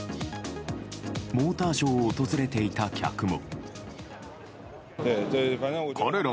モーターショーを訪れていた客も。